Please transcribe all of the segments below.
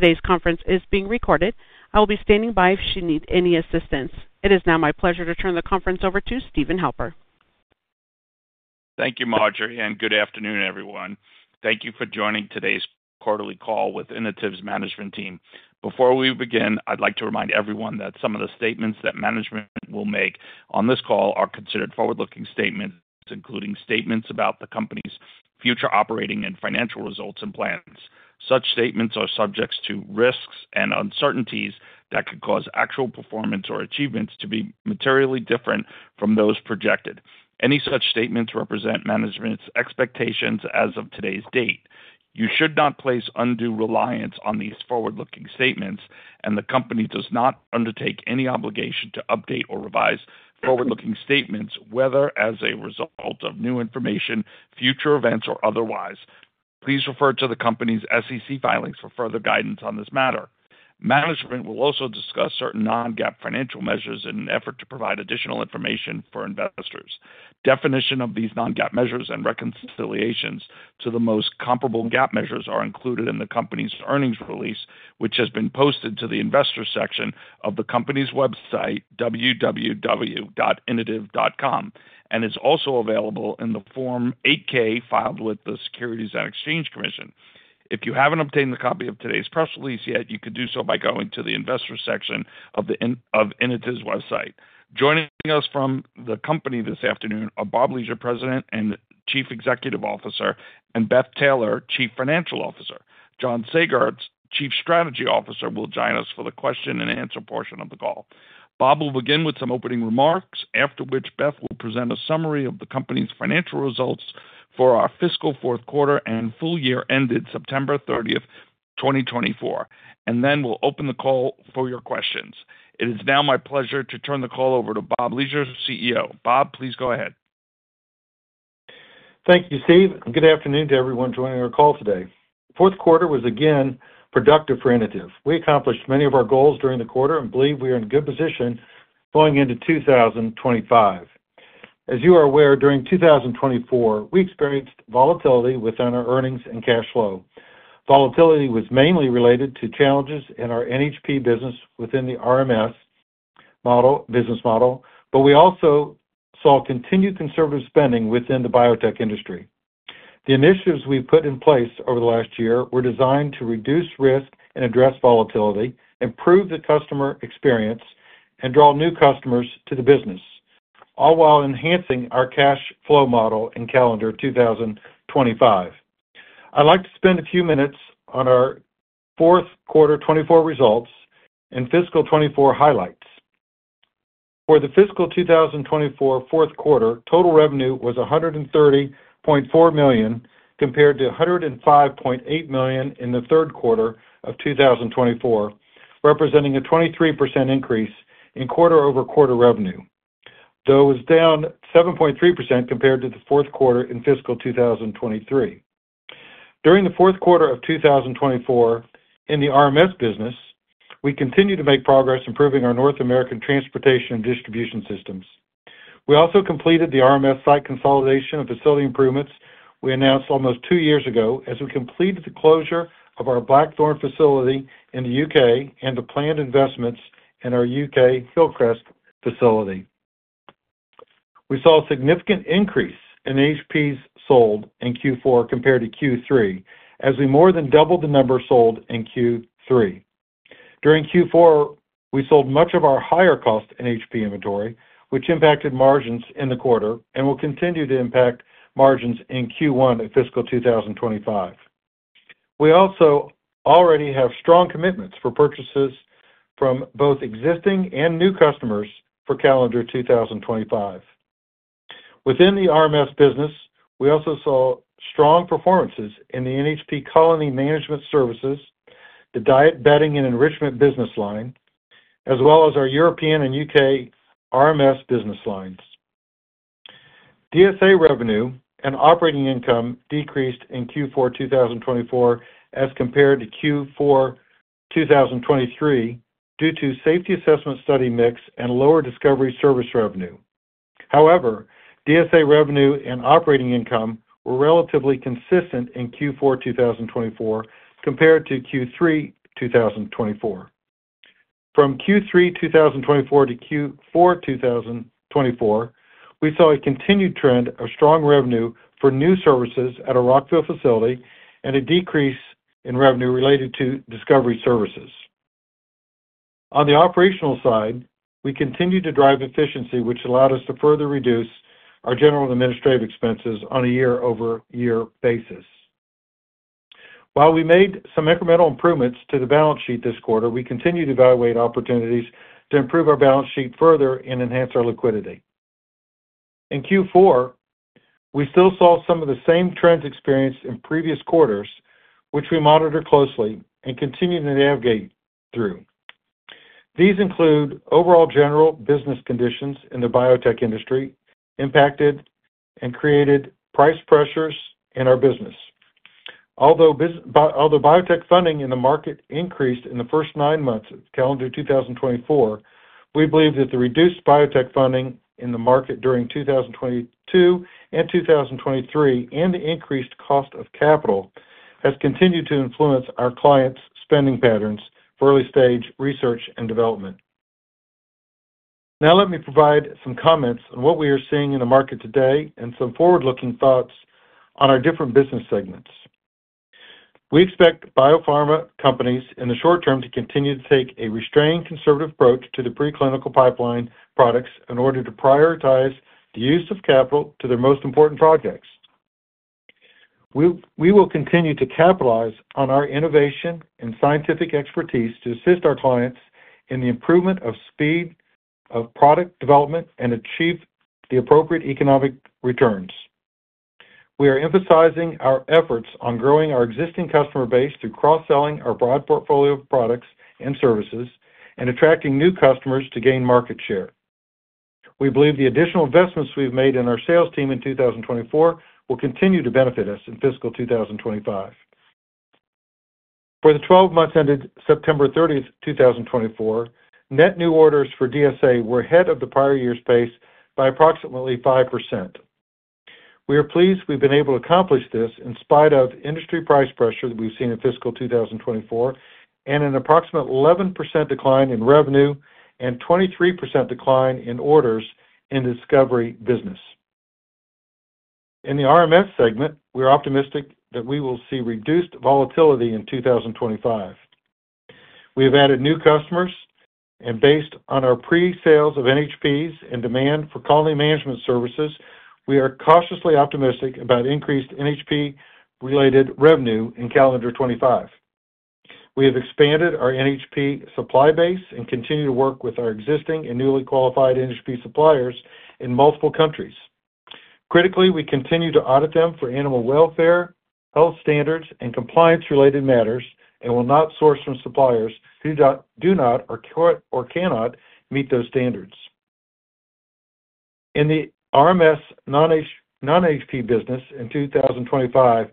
Today's conference is being recorded. I will be standing by if you need any assistance. It is now my pleasure to turn the conference over to Stephen Helper. Thank you, Marjorie, and good afternoon, everyone. Thank you for joining today's quarterly call with Inotiv's management team. Before we begin, I'd like to remind everyone that some of the statements that management will make on this call are considered forward-looking statements, including statements about the company's future operating and financial results and plans. Such statements are subject to risks and uncertainties that could cause actual performance or achievements to be materially different from those projected. Any such statements represent management's expectations as of today's date. You should not place undue reliance on these forward-looking statements, and the company does not undertake any obligation to update or revise forward-looking statements, whether as a result of new information, future events, or otherwise. Please refer to the company's SEC filings for further guidance on this matter. Management will also discuss certain non-GAAP financial measures in an effort to provide additional information for investors. Definition of these non-GAAP measures and reconciliations to the most comparable GAAP measures are included in the company's earnings release, which has been posted to the investor section of the company's website, www.inotiv.com, and is also available in the Form 8-K filed with the Securities and Exchange Commission. If you haven't obtained the copy of today's press release yet, you could do so by going to the investor section of Inotiv's website. Joining us from the company this afternoon are Bob Leasure, President and Chief Executive Officer, and Beth Taylor, Chief Financial Officer. John Sagartz, Chief Strategy Officer, will join us for the question-and-answer portion of the call. Bob will begin with some opening remarks, after which Beth will present a summary of the company's financial results for our fiscal fourth quarter and full year ended September 30th, 2024, and then we'll open the call for your questions. It is now my pleasure to turn the call over to Bob Leasure, CEO. Bob, please go ahead. Thank you, Steve. Good afternoon to everyone joining our call today. Fourth quarter was, again, productive for Inotiv. We accomplished many of our goals during the quarter and believe we are in a good position going into 2025. As you are aware, during 2024, we experienced volatility within our earnings and cash flow. Volatility was mainly related to challenges in our NHP business within the RMS business model, but we also saw continued conservative spending within the biotech industry. The initiatives we've put in place over the last year were designed to reduce risk and address volatility, improve the customer experience, and draw new customers to the business, all while enhancing our cash flow model and calendar 2025. I'd like to spend a few minutes on our fourth quarter 2024 results and fiscal 2024 highlights. For the fiscal 2024 fourth quarter, total revenue was $130.4 million compared to $105.8 million in the third quarter of 2024, representing a 23% increase in quarter-over-quarter revenue, though it was down 7.3% compared to the fourth quarter in fiscal 2023. During the fourth quarter of 2024, in the RMS business, we continued to make progress improving our North American transportation and distribution systems. We also completed the RMS site consolidation and facility improvements we announced almost two years ago as we completed the closure of our Blackthorn facility in the U.K. and the planned investments in our U.K. Hillcrest facility. We saw a significant increase in NHPs sold in Q4 compared to Q3, as we more than doubled the number sold in Q3. During Q4, we sold much of our higher-cost NHP inventory, which impacted margins in the quarter and will continue to impact margins in Q1 of fiscal 2025. We also already have strong commitments for purchases from both existing and new customers for calendar 2025. Within the RMS business, we also saw strong performances in the NHP colony management services, the diet bedding and enrichment business line, as well as our European and U.K. RMS business lines. DSA revenue and operating income decreased in Q4 2024 as compared to Q4 2023 due to safety assessment study mix and lower discovery service revenue. However, DSA revenue and operating income were relatively consistent in Q4 2024 compared to Q3 2024. From Q3 2024 to Q4 2024, we saw a continued trend of strong revenue for new services at our Rockville facility and a decrease in revenue related to discovery services. On the operational side, we continued to drive efficiency, which allowed us to further reduce our general administrative expenses on a year-over-year basis. While we made some incremental improvements to the balance sheet this quarter, we continued to evaluate opportunities to improve our balance sheet further and enhance our liquidity. In Q4, we still saw some of the same trends experienced in previous quarters, which we monitored closely and continued to navigate through. These include overall general business conditions in the biotech industry impacted and created price pressures in our business. Although biotech funding in the market increased in the first nine months of calendar 2024, we believe that the reduced biotech funding in the market during 2022 and 2023 and the increased cost of capital has continued to influence our clients' spending patterns for early-stage research and development. Now, let me provide some comments on what we are seeing in the market today and some forward-looking thoughts on our different business segments. We expect biopharma companies in the short term to continue to take a restrained conservative approach to the preclinical pipeline products in order to prioritize the use of capital to their most important projects. We will continue to capitalize on our innovation and scientific expertise to assist our clients in the improvement of speed of product development and achieve the appropriate economic returns. We are emphasizing our efforts on growing our existing customer base through cross-selling our broad portfolio of products and services and attracting new customers to gain market share. We believe the additional investments we've made in our sales team in 2024 will continue to benefit us in fiscal 2025. For the 12 months ended September 30th, 2024, net new orders for DSA were ahead of the prior year's pace by approximately 5%. We are pleased we've been able to accomplish this in spite of industry price pressure that we've seen in fiscal 2024 and an approximate 11% decline in revenue and 23% decline in orders in the discovery business. In the RMS segment, we are optimistic that we will see reduced volatility in 2025. We have added new customers, and based on our pre-sales of NHPs and demand for colony management services, we are cautiously optimistic about increased NHP-related revenue in calendar 2025. We have expanded our NHP supply base and continue to work with our existing and newly qualified NHP suppliers in multiple countries. Critically, we continue to audit them for animal welfare, health standards, and compliance-related matters, and will not source from suppliers who do not or cannot meet those standards. In the RMS non-NHP business in 2025,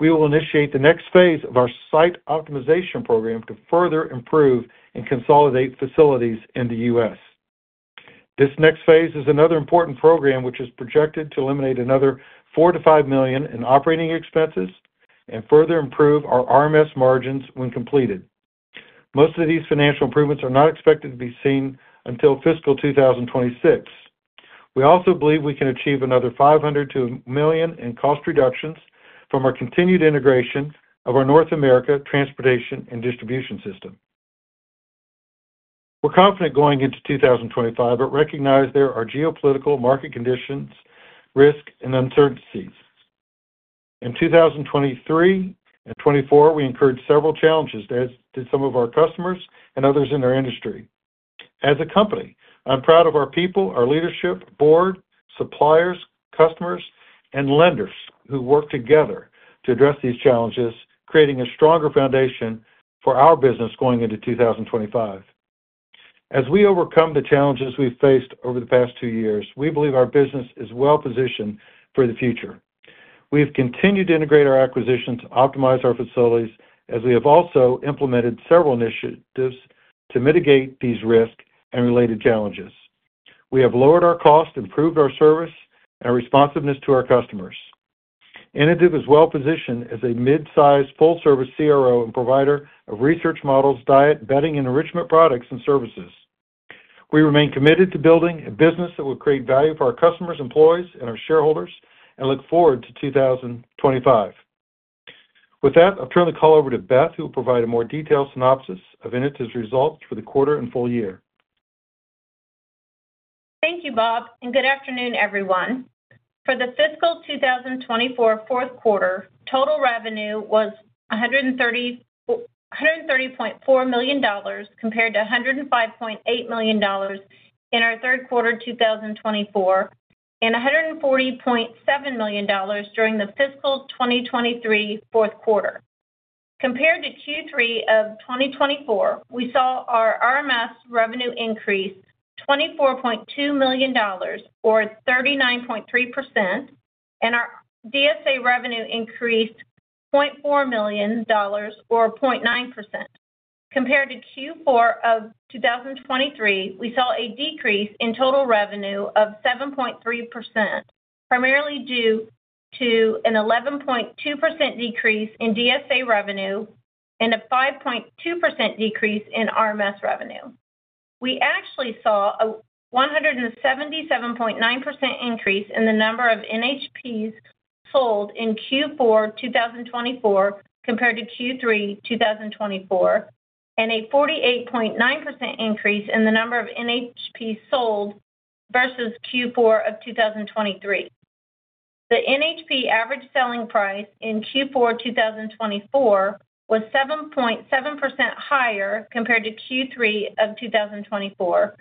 we will initiate the next phase of our site optimization program to further improve and consolidate facilities in the U.S. This next phase is another important program, which is projected to eliminate another $4 million-$5 million in operating expenses and further improve our RMS margins when completed. Most of these financial improvements are not expected to be seen until fiscal 2026. We also believe we can achieve another $500,000-$1 million in cost reductions from our continued integration of our North America transportation and distribution system. We're confident going into 2025, but recognize there are geopolitical market conditions, risk, and uncertainties. In 2023 and 2024, we incurred several challenges as did some of our customers and others in our industry. As a company, I'm proud of our people, our leadership, board, suppliers, customers, and lenders who work together to address these challenges, creating a stronger foundation for our business going into 2025. As we overcome the challenges we've faced over the past two years, we believe our business is well-positioned for the future. We have continued to integrate our acquisitions to optimize our facilities, as we have also implemented several initiatives to mitigate these risks and related challenges. We have lowered our cost, improved our service, and our responsiveness to our customers. Inotiv is well-positioned as a mid-size full-service CRO and provider of research models, diet bedding, and enrichment products and services. We remain committed to building a business that will create value for our customers, employees, and our shareholders, and look forward to 2025. With that, I'll turn the call over to Beth, who will provide a more detailed synopsis of Inotiv's results for the quarter and full year. Thank you, Bob, and good afternoon, everyone. For the fiscal 2024 fourth quarter, total revenue was $130.4 million compared to $105.8 million in our third quarter 2024 and $140.7 million during the fiscal 2023 fourth quarter. Compared to Q3 of 2024, we saw our RMS revenue increase $24.2 million, or 39.3%, and our DSA revenue increased $0.4 million, or 0.9%. Compared to Q4 of 2023, we saw a decrease in total revenue of 7.3%, primarily due to an 11.2% decrease in DSA revenue and a 5.2% decrease in RMS revenue. We actually saw a 177.9% increase in the number of NHPs sold in Q4 2024 compared to Q3 2024, and a 48.9% increase in the number of NHPs sold versus Q4 of 2023. The NHP average selling price in Q4 2024 was 7.7% higher compared to Q3 of 2024,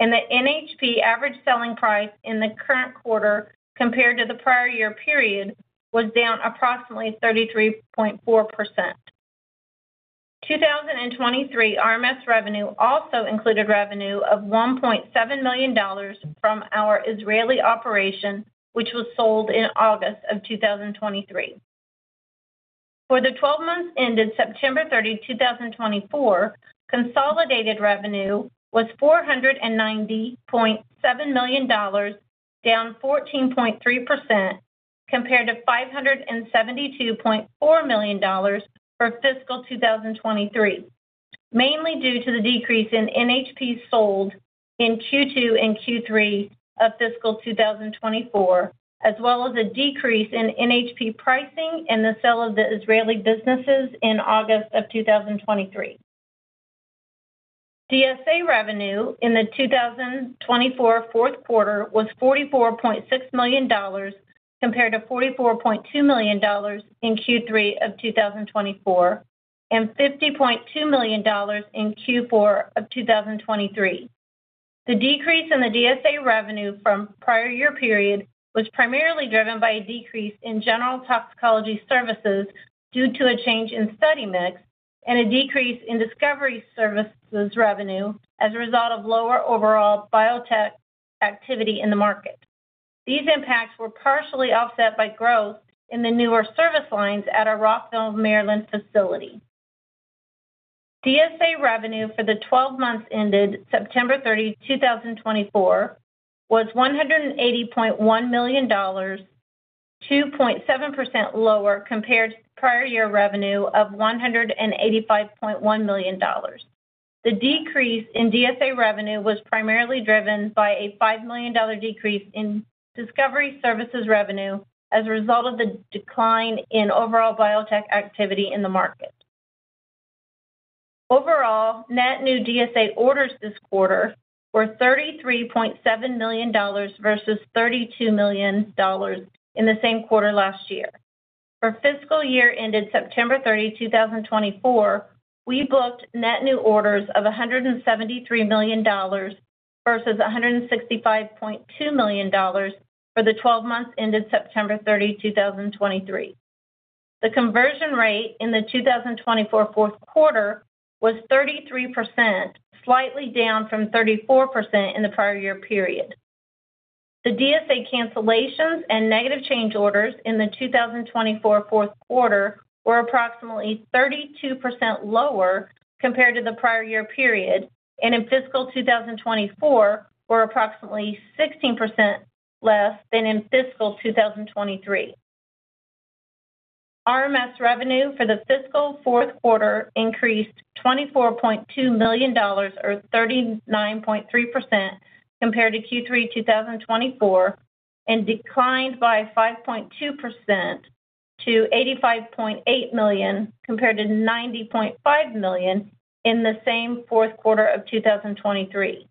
and the NHP average selling price in the current quarter compared to the prior year period was down approximately 33.4%. 2023 RMS revenue also included revenue of $1.7 million from our Israeli operation, which was sold in August of 2023. For the 12 months ended September 30, 2024, consolidated revenue was $490.7 million, down 14.3%, compared to $572.4 million for fiscal 2023, mainly due to the decrease in NHPs sold in Q2 and Q3 of fiscal 2024, as well as a decrease in NHP pricing and the sale of the Israeli businesses in August of 2023. DSA revenue in the 2024 fourth quarter was $44.6 million compared to $44.2 million in Q3 of 2024 and $50.2 million in Q4 of 2023. The decrease in the DSA revenue from the prior year period was primarily driven by a decrease in general toxicology services due to a change in study mix and a decrease in discovery services revenue as a result of lower overall biotech activity in the market. These impacts were partially offset by growth in the newer service lines at our Rockville, Maryland facility. DSA revenue for the 12 months ended September 30, 2024, was $180.1 million, 2.7% lower compared to the prior year revenue of $185.1 million. The decrease in DSA revenue was primarily driven by a $5 million decrease in discovery services revenue as a result of the decline in overall biotech activity in the market. Overall, net new DSA orders this quarter were $33.7 million versus $32 million in the same quarter last year. For fiscal year ended September 30, 2024, we booked net new orders of $173 million versus $165.2 million for the 12 months ended September 30, 2023. The conversion rate in the 2024 fourth quarter was 33%, slightly down from 34% in the prior year period. The DSA cancellations and negative change orders in the 2024 fourth quarter were approximately 32% lower compared to the prior year period, and in fiscal 2024 were approximately 16% less than in fiscal 2023. RMS revenue for the fiscal fourth quarter increased $24.2 million, or 39.3%, compared to Q3 2024, and declined by 5.2% to $85.8 million compared to $90.5 million in the same fourth quarter of 2023.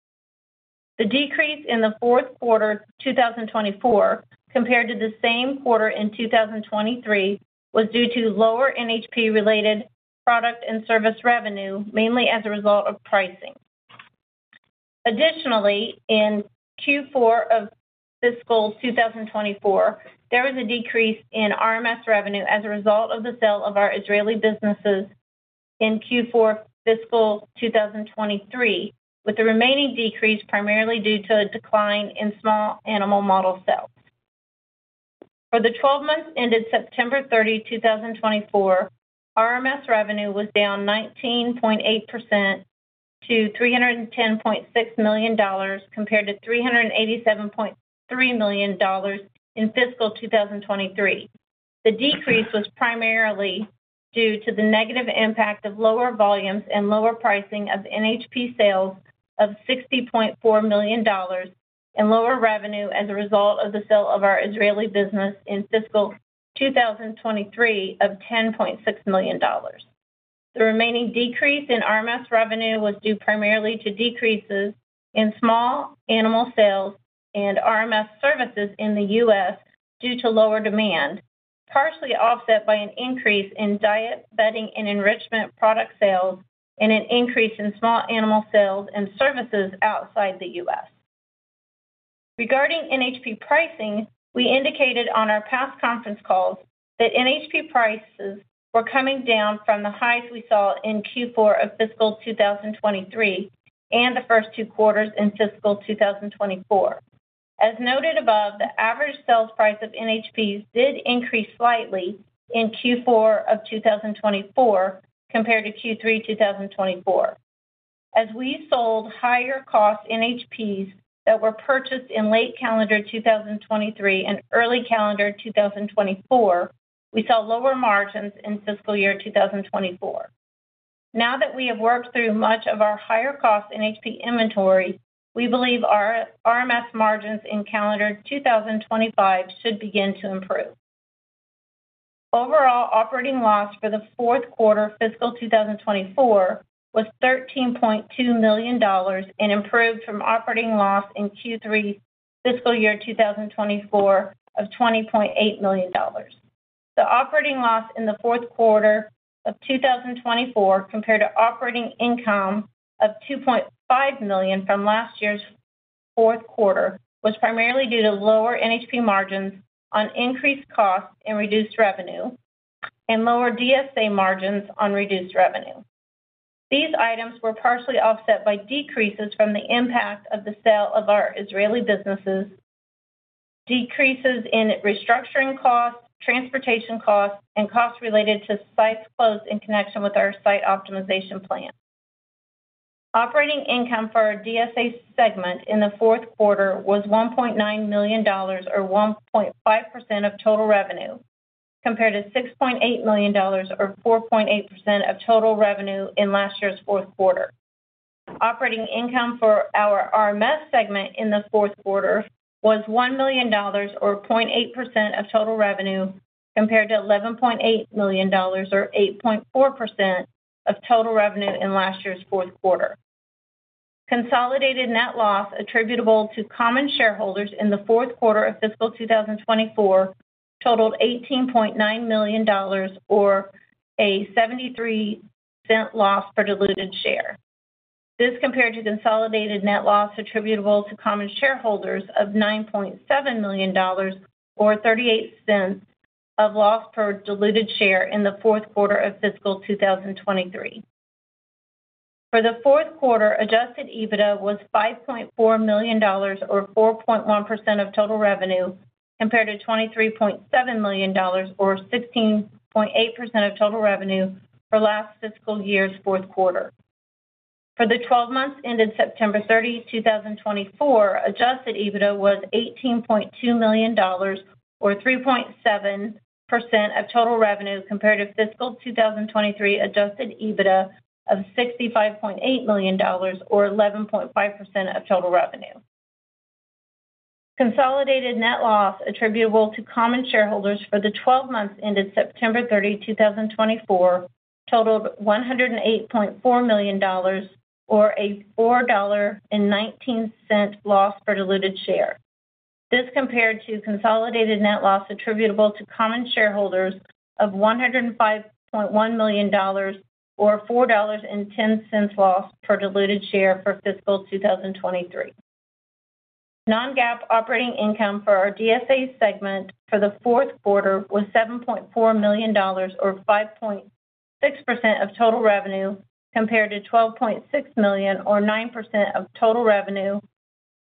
The decrease in the fourth quarter 2024 compared to the same quarter in 2023 was due to lower NHP-related product and service revenue, mainly as a result of pricing. Additionally, in Q4 of fiscal 2024, there was a decrease in RMS revenue as a result of the sale of our Israeli businesses in Q4 fiscal 2023, with the remaining decrease primarily due to a decline in small animal model sales. For the 12 months ended September 30, 2024, RMS revenue was down 19.8% to $310.6 million compared to $387.3 million in fiscal 2023. The decrease was primarily due to the negative impact of lower volumes and lower pricing of NHP sales of $60.4 million and lower revenue as a result of the sale of our Israeli business in fiscal 2023 of $10.6 million. The remaining decrease in RMS revenue was due primarily to decreases in small animal sales and RMS services in the U.S. due to lower demand, partially offset by an increase in diet bedding and enrichment product sales and an increase in small animal sales and services outside the U.S. Regarding NHP pricing, we indicated on our past conference calls that NHP prices were coming down from the highs we saw in Q4 of fiscal 2023 and the first two quarters in fiscal 2024. As noted above, the average sales price of NHPs did increase slightly in Q4 of 2024 compared to Q3 2024. As we sold higher-cost NHPs that were purchased in late calendar 2023 and early calendar 2024, we saw lower margins in fiscal year 2024. Now that we have worked through much of our higher-cost NHP inventory, we believe our RMS margins in calendar 2025 should begin to improve. Overall operating loss for the fourth quarter fiscal 2024 was $13.2 million and improved from operating loss in Q3 fiscal year 2024 of $20.8 million. The operating loss in the fourth quarter of 2024 compared to operating income of $2.5 million from last year's fourth quarter was primarily due to lower NHP margins on increased costs and reduced revenue, and lower DSA margins on reduced revenue. These items were partially offset by decreases from the impact of the sale of our Israeli businesses, decreases in restructuring costs, transportation costs, and costs related to sites closed in connection with our site optimization plan. Operating income for our DSA segment in the fourth quarter was $1.9 million, or 1.5% of total revenue, compared to $6.8 million, or 4.8% of total revenue in last year's fourth quarter. Operating income for our RMS segment in the fourth quarter was $1 million, or 0.8% of total revenue, compared to $11.8 million, or 8.4% of total revenue in last year's fourth quarter. Consolidated net loss attributable to common shareholders in the fourth quarter of fiscal 2024 totaled $18.9 million, or $0.73 loss per diluted share. This compared to consolidated net loss attributable to common shareholders of $9.7 million, or $0.38 loss per diluted share in the fourth quarter of fiscal 2023. For the fourth quarter, adjusted EBITDA was $5.4 million, or 4.1% of total revenue, compared to $23.7 million, or 16.8% of total revenue for last fiscal year's fourth quarter. For the 12 months ended September 30, 2024, Adjusted EBITDA was $18.2 million, or 3.7% of total revenue, compared to fiscal 2023 Adjusted EBITDA of $65.8 million, or 11.5% of total revenue. Consolidated net loss attributable to common shareholders for the 12 months ended September 30, 2024, totaled $108.4 million, or a $4.19 loss per diluted share. This compared to consolidated net loss attributable to common shareholders of $105.1 million, or $4.10 loss per diluted share for fiscal 2023. Non-GAAP operating income for our DSA segment for the fourth quarter was $7.4 million, or 5.6% of total revenue, compared to $12.6 million, or 9% of total revenue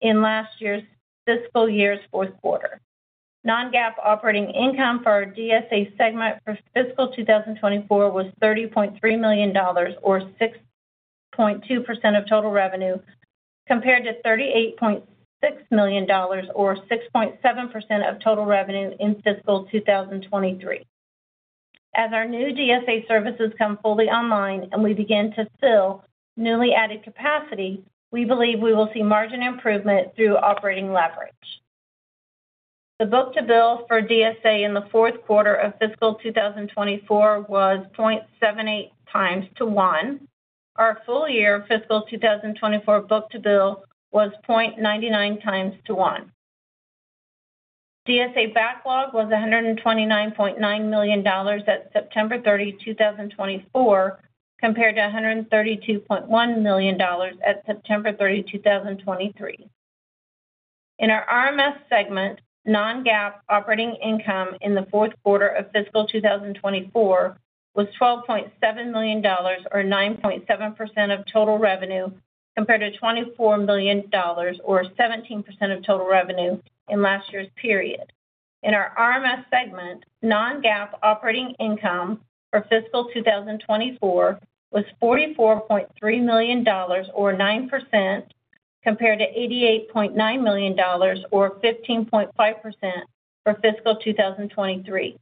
in last year's fiscal fourth quarter. Non-GAAP operating income for our DSA segment for fiscal 2024 was $30.3 million, or 6.2% of total revenue, compared to $38.6 million, or 6.7% of total revenue in fiscal 2023. As our new DSA services come fully online and we begin to fill newly added capacity, we believe we will see margin improvement through operating leverage. The book-to-bill for DSA in the fourth quarter of fiscal 2024 was 0.78x to 1. Our full year fiscal 2024 book-to-bill was 0.99x to 1. DSA backlog was $129.9 million at September 30, 2024, compared to $132.1 million at September 30, 2023. In our RMS segment, non-GAAP operating income in the fourth quarter of fiscal 2024 was $12.7 million, or 9.7% of total revenue, compared to $24 million, or 17% of total revenue in last year's period. In our RMS segment, non-GAAP operating income for fiscal 2024 was $44.3 million, or 9%, compared to $88.9 million, or 15.5% for fiscal 2023.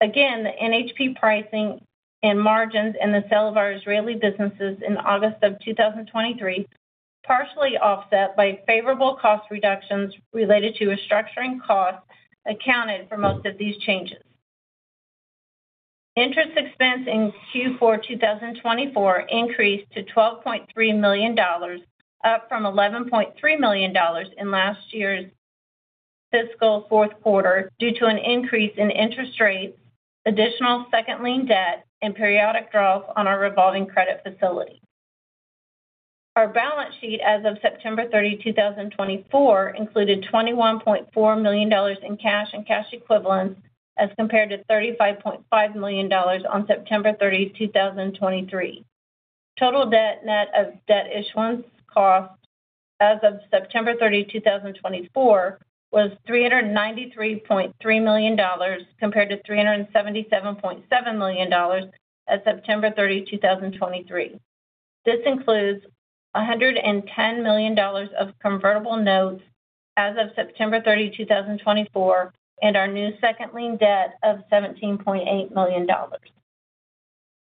Again, the NHP pricing and margins and the sale of our Israeli businesses in August of 2023 partially offset by favorable cost reductions related to restructuring costs accounted for most of these changes. Interest expense in Q4 2024 increased to $12.3 million, up from $11.3 million in last year's fiscal fourth quarter due to an increase in interest rates, additional second-line debt, and periodic draws on our revolving credit facility. Our balance sheet as of September 30, 2024, included $21.4 million in cash and cash equivalents as compared to $35.5 million on September 30, 2023. Total debt net of debt issuance costs as of September 30, 2024, was $393.3 million, compared to $377.7 million at September 30, 2023. This includes $110 million of convertible notes as of September 30, 2024, and our new second-line debt of $17.8 million.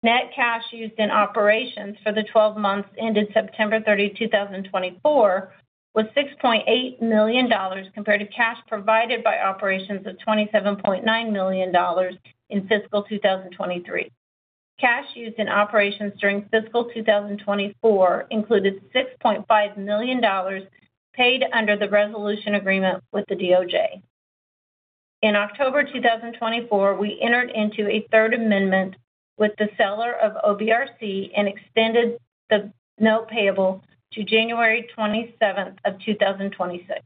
Net cash used in operations for the 12 months ended September 30, 2024, was $6.8 million compared to cash provided by operations of $27.9 million in fiscal 2023. Cash used in operations during fiscal 2024 included $6.5 million paid under the resolution agreement with the DOJ. In October 2024, we entered into a Third Amendment with the seller of OBRC and extended the note payable to January 27, 2026.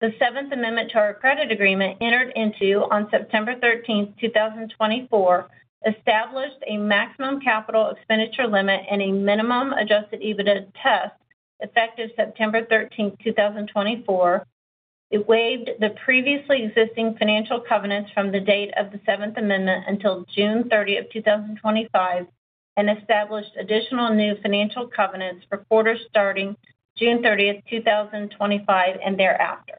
The Seventh Amendment to our credit agreement entered into on September 13, 2024, established a maximum capital expenditure limit and a minimum adjusted EBITDA test effective September 13, 2024. It waived the previously existing financial covenants from the date of the Seventh Amendment until June 30, 2025, and established additional new financial covenants for quarters starting June 30, 2025, and thereafter.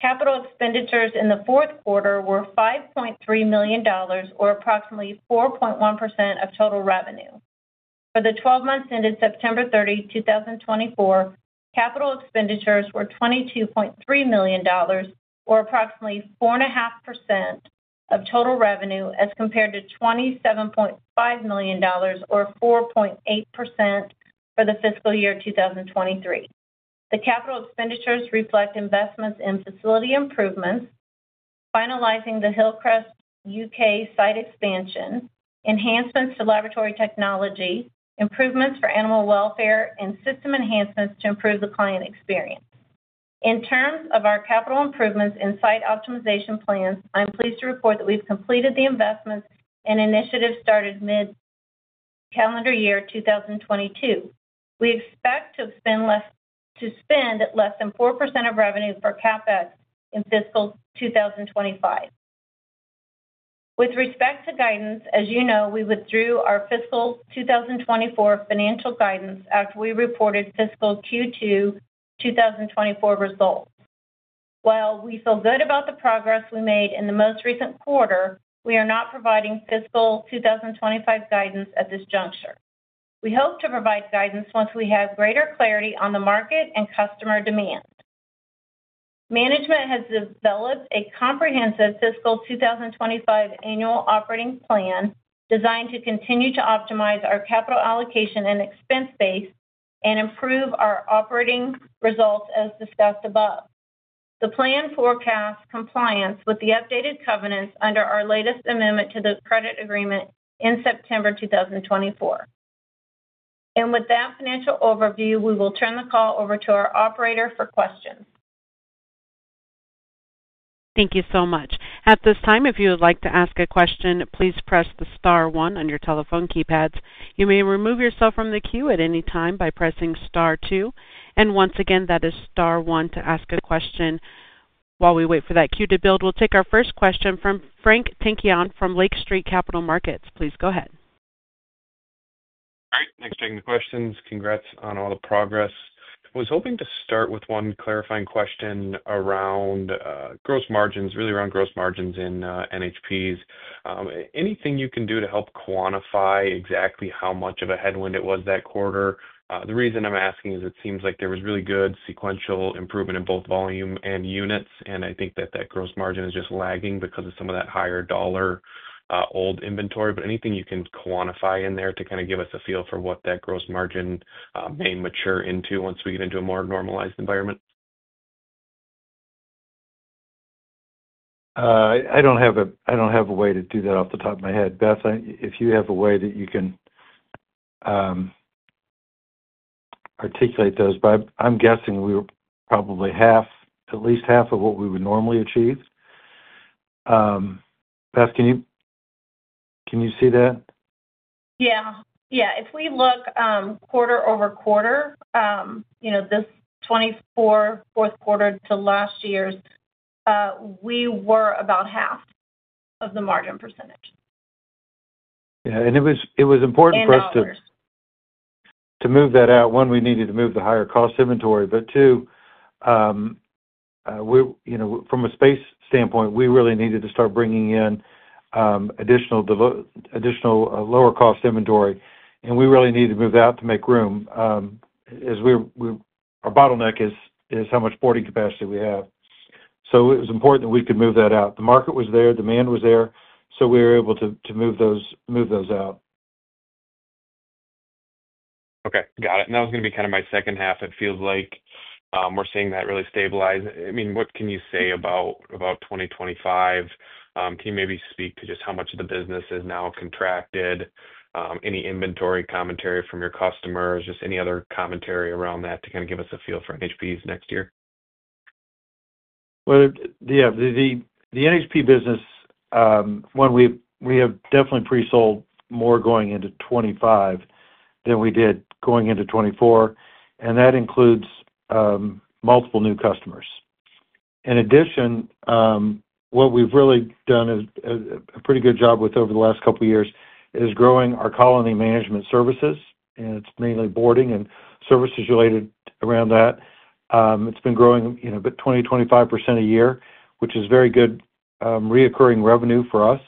Capital expenditures in the fourth quarter were $5.3 million, or approximately 4.1% of total revenue. For the 12 months ended September 30, 2024, capital expenditures were $22.3 million, or approximately 4.5% of total revenue, as compared to $27.5 million, or 4.8% for the fiscal year 2023. The capital expenditures reflect investments in facility improvements, finalizing the Hillcrest U.K. site expansion, enhancements to laboratory technology, improvements for animal welfare, and system enhancements to improve the client experience. In terms of our capital improvements and site optimization plans, I'm pleased to report that we've completed the investments and initiatives started mid-calendar year 2022. We expect to spend less than 4% of revenue for CapEx in fiscal 2025. With respect to guidance, as you know, we withdrew our fiscal 2024 financial guidance after we reported fiscal Q2 2024 results. While we feel good about the progress we made in the most recent quarter, we are not providing fiscal 2025 guidance at this juncture. We hope to provide guidance once we have greater clarity on the market and customer demand. Management has developed a comprehensive fiscal 2025 annual operating plan designed to continue to optimize our capital allocation and expense base and improve our operating results as discussed above. The plan forecasts compliance with the updated covenants under our latest amendment to the credit agreement in September 2024, and with that financial overview, we will turn the call over to our operator for questions. Thank you so much. At this time, if you would like to ask a question, please press the Star 1 on your telephone keypads. You may remove yourself from the queue at any time by pressing Star 2, and once again, that is Star 1 to ask a question. While we wait for that queue to build, we'll take our first question from Frank Takkinen from Lake Street Capital Markets. Please go ahead. All right. Thanks for taking the questions. Congrats on all the progress. I was hoping to start with one clarifying question around gross margins, really around gross margins in NHPs. Anything you can do to help quantify exactly how much of a headwind it was that quarter? The reason I'm asking is it seems like there was really good sequential improvement in both volume and units, and I think that that gross margin is just lagging because of some of that higher dollar old inventory. But anything you can quantify in there to kind of give us a feel for what that gross margin may mature into once we get into a more normalized environment? I don't have a way to do that off the top of my head. Beth, if you have a way that you can articulate those, but I'm guessing we're probably half, at least half of what we would normally achieve. Beth, can you see that? Yeah. Yeah. If we look quarter-over-quarter, this 2024 fourth quarter to last year's, we were about half of the margin percentage. Yeah. And it was important for us to move that out, one, we needed to move the higher cost inventory, but two, from a space standpoint, we really needed to start bringing in additional lower cost inventory. And we really needed to move that out to make room. Our bottleneck is how much boarding capacity we have. So it was important that we could move that out. The market was there, demand was there, so we were able to move those out. Okay. Got it. And that was going to be kind of my second half. It feels like we're seeing that really stabilize. I mean, what can you say about 2025? Can you maybe speak to just how much of the business is now contracted? Any inventory commentary from your customers, just any other commentary around that to kind of give us a feel for NHPs next year? Well, yeah. The NHP business, one, we have definitely pre-sold more going into 2025 than we did going into 2024. And that includes multiple new customers. In addition, what we've really done a pretty good job with over the last couple of years is growing our colony management services. And it's mainly boarding and services related around that. It's been growing about 20%-25% a year, which is very good recurring revenue for us.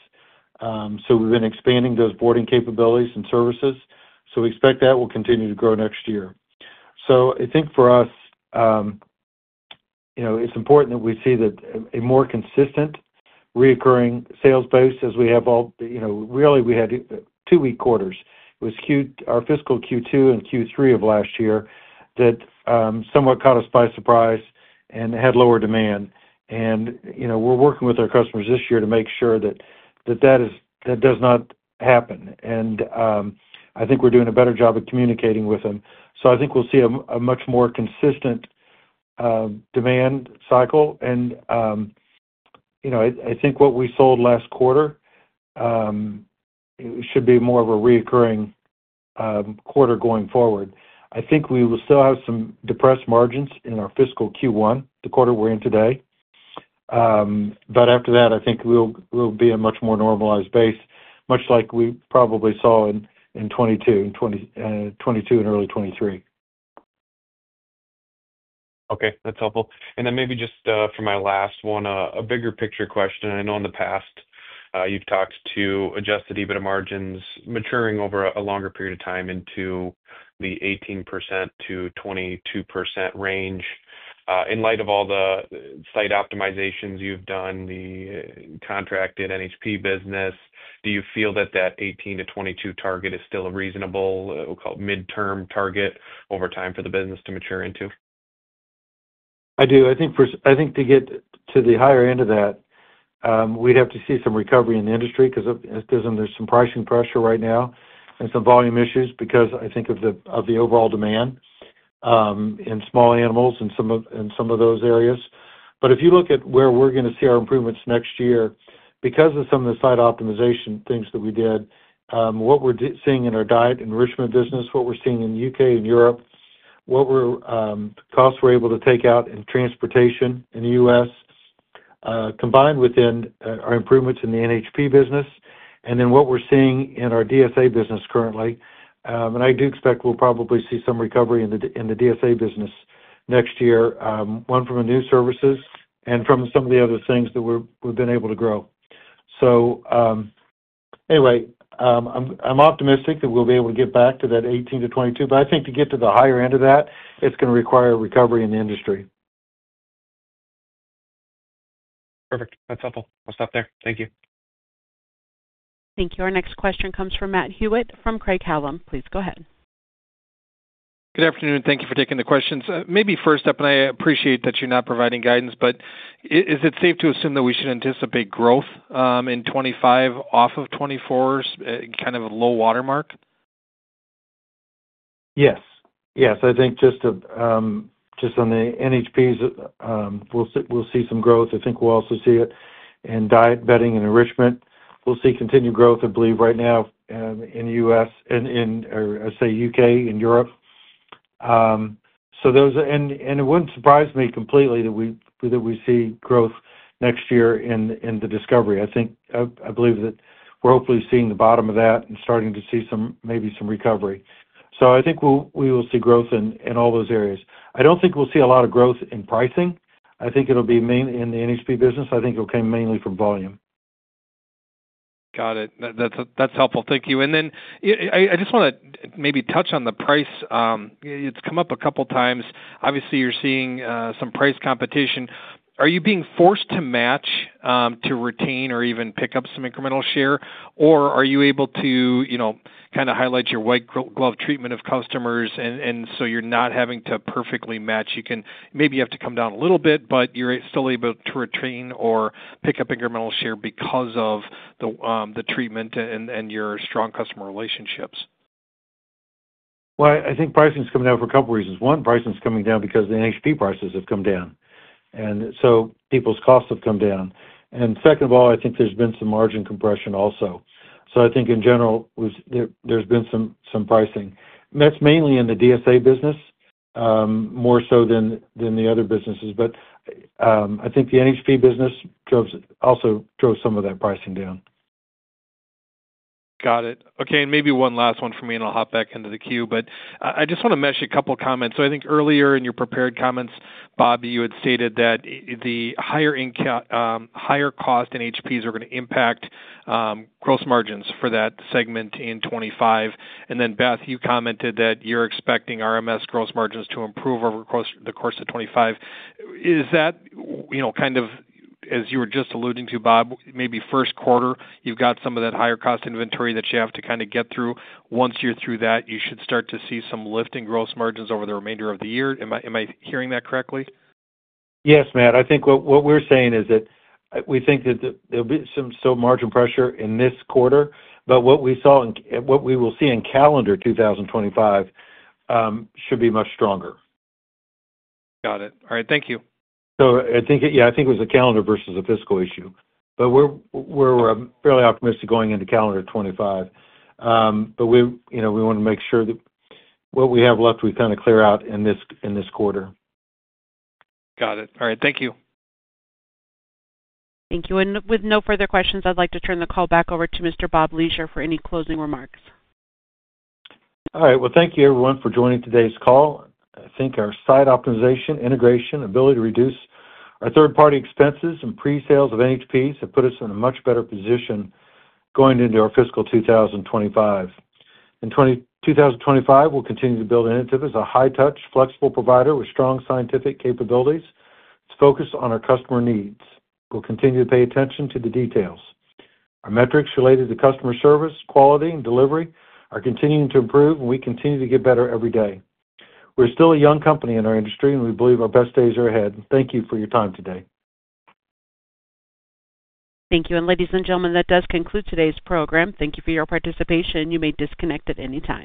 So we've been expanding those boarding capabilities and services. So we expect that will continue to grow next year. So I think for us, it's important that we see a more consistent recurring sales base as we have all really, we had two weak quarters. It was our fiscal Q2 and Q3 of last year that somewhat caught us by surprise and had lower demand. And we're working with our customers this year to make sure that that does not happen. And I think we're doing a better job of communicating with them. So I think we'll see a much more consistent demand cycle. And I think what we sold last quarter should be more of a recurring quarter going forward. I think we will still have some depressed margins in our fiscal Q1, the quarter we're in today. But after that, I think we'll be a much more normalized base, much like we probably saw in 2022 and early 2023. Okay. That's helpful. And then maybe just for my last one, a bigger picture question. I know in the past you've talked to Adjusted EBITDA margins maturing over a longer period of time into the 18%-22% range. In light of all the site optimizations you've done, the contracted NHP business, do you feel that that 18%-22% target is still a reasonable, we'll call it midterm target over time for the business to mature into? I do. I think to get to the higher end of that, we'd have to see some recovery in the industry because there's some pricing pressure right now and some volume issues because I think of the overall demand in small animals in some of those areas. But if you look at where we're going to see our improvements next year, because of some of the site optimization things that we did, what we're seeing in our diet enrichment business, what we're seeing in the U.K. and Europe, what costs we're able to take out in transportation in the U.S., combined within our improvements in the NHP business, and then what we're seeing in our DSA business currently. And I do expect we'll probably see some recovery in the DSA business next year, one from the new services and from some of the other things that we've been able to grow. So anyway, I'm optimistic that we'll be able to get back to that 18%-22%. But I think to get to the higher end of that, it's going to require recovery in the industry. Perfect. That's helpful. I'll stop there. Thank you. Thank you. Our next question comes from Matt Hewitt from Craig-Hallum. Please go ahead. Good afternoon. Thank you for taking the questions. Maybe first up, and I appreciate that you're not providing guidance, but is it safe to assume that we should anticipate growth in 2025 off of 2024, kind of a low watermark? Yes. Yes. I think just on the NHPs, we'll see some growth. I think we'll also see it in diet, bedding, and enrichment. We'll see continued growth, I believe, right now in the U.S. and, say, U.K. and Europe. And it wouldn't surprise me completely that we see growth next year in the discovery. I believe that we're hopefully seeing the bottom of that and starting to see maybe some recovery. So I think we will see growth in all those areas. I don't think we'll see a lot of growth in pricing. I think it'll be mainly in the NHP business. I think it'll come mainly from volume. Got it. That's helpful. Thank you. And then I just want to maybe touch on the price. It's come up a couple of times. Obviously, you're seeing some price competition. Are you being forced to match to retain or even pick up some incremental share, or are you able to kind of highlight your white glove treatment of customers and so you're not having to perfectly match? Maybe you have to come down a little bit, but you're still able to retain or pick up incremental share because of the treatment and your strong customer relationships? Well, I think pricing's coming down for a couple of reasons. One, pricing's coming down because the NHP prices have come down. And so people's costs have come down. And second of all, I think there's been some margin compression also. So I think in general, there's been some pricing. And that's mainly in the DSA business, more so than the other businesses. But I think the NHP business also drove some of that pricing down. Got it. Okay. And maybe one last one for me, and I'll hop back into the queue. But I just want to make a couple of comments. So I think earlier in your prepared comments, Bobby, you had stated that the higher cost in NHPs are going to impact gross margins for that segment in 2025. And then, Beth, you commented that you're expecting RMS gross margins to improve over the course of 2025. Is that kind of, as you were just alluding to, Bob, maybe first quarter, you've got some of that higher cost inventory that you have to kind of get through. Once you're through that, you should start to see some lift in gross margins over the remainder of the year. Am I hearing that correctly? Yes, Matt. I think what we're saying is that we think that there'll be some margin pressure in this quarter, but what we saw and what we will see in calendar 2025 should be much stronger. Got it. All right. Thank you. So yeah, I think it was a calendar versus a fiscal issue. But we're fairly optimistic going into calendar 2025. But we want to make sure that what we have left, we kind of clear out in this quarter. Got it. All right. Thank you. Thank you. With no further questions, I'd like to turn the call back over to Mr. Bob Leasure for any closing remarks. All right. Thank you, everyone, for joining today's call. I think our site optimization, integration, ability to reduce our third-party expenses and pre-sales of NHPs have put us in a much better position going into our fiscal 2025. In 2025, we'll continue to build innovative. It's a high-touch, flexible provider with strong scientific capabilities. It's focused on our customer needs. We'll continue to pay attention to the details. Our metrics related to customer service, quality, and delivery are continuing to improve, and we continue to get better every day. We're still a young company in our industry, and we believe our best days are ahead. Thank you for your time today. Thank you. Ladies and gentlemen, that does conclude today's program. Thank you for your participation. You may disconnect at any time.